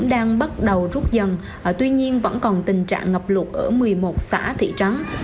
nước lũ vẫn đang bắt đầu rút dần tuy nhiên vẫn còn tình trạng ngập rụt ở một mươi một xã thị trắng